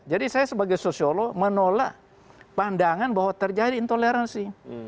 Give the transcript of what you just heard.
jadi saya sebagai sosiolo menolak pandangan bahwa terjadi intoleransi